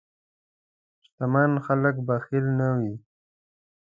شتمن خلک بخیل نه وي.